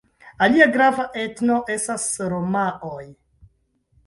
Alia grava etno estas romaoj.